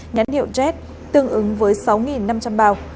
nhãn hiệu jet tương ứng với sáu năm trăm linh bao